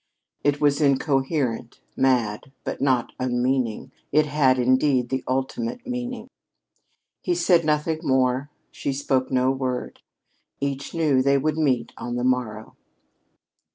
It was incoherent, mad, but not unmeaning. It had, indeed, the ultimate meaning. He said nothing more; she spoke no word. Each knew they would meet on the morrow.